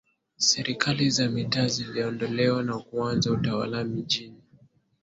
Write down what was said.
Serikali za Mitaa ziliondolewa na kuanza Utawala Mijini